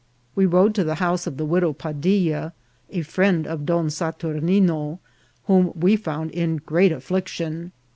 We rode to the house of the widow Padilla, a friend of Don Saturnine, whom we found in great affliction.